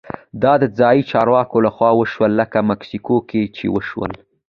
دا د ځايي چارواکو لخوا وشول لکه مکسیکو کې چې وشول.